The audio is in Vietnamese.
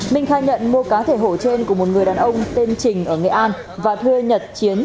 minh khai nhận mua cá thể hổ trên của một người đàn ông tên trình ở nghệ an và thuê nhật chiến